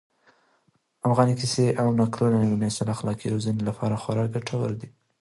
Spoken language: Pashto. افغاني کيسې او نکلونه د نوي نسل د اخلاقي روزنې لپاره خورا ګټور دي.